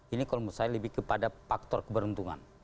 ini kalau menurut saya lebih kepada faktor keberuntungan